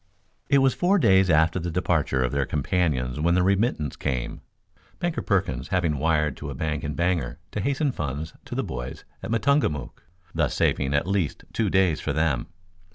It was four days after the departure of their companions when the remittance came, Banker Perkins having wired to a bank in Bangor to hasten funds to the boys at Matungamook, thus saving at least two days for them.